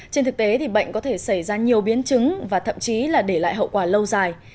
trên thực tế thì bệnh có thể xảy ra nhiều biến chứng và thậm chí là để lại hậu quả lâu dài